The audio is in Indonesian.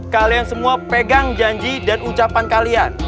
kalian semua pegang janji dan ucapan kalian